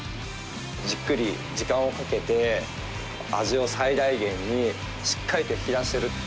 じっくり時間をかけて、味を最大限にしっかりと引き出してる。